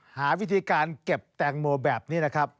หาวิธีการเก็บแตงโมแบบนี้นะครับ